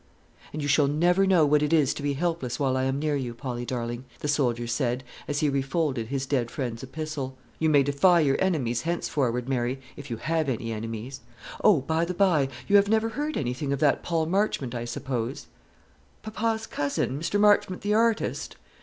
"And you shall never know what it is to be helpless while I am near you, Polly darling," the soldier said, as he refolded his dead friend's epistle. "You may defy your enemies henceforward, Mary if you have any enemies. O, by the bye, you have never heard any thing of that Paul Marchmont, I suppose?" "Papa's cousin Mr Marchmont the artist?"